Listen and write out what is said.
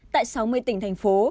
tại sáu mươi tỉnh thành phố